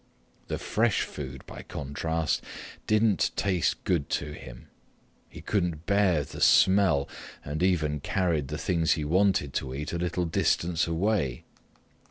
The fresh food, by contrast, didn't taste good to him. He couldn't bear the smell and even carried the things he wanted to eat a little distance away.